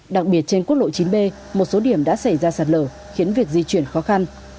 đặc biệt trên quốc lộ chín b một số điểm đã xảy ra sạt lở khiến việc di chuyển khó khăn